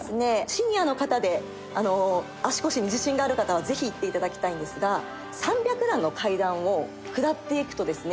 シニアの方で足腰に自信がある方はぜひ行って頂きたいんですが３００段の階段を下っていくとですね